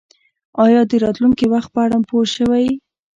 ایا د راتلونکي وخت په اړه پوه شوئ؟